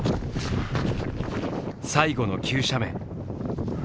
最後の急斜面。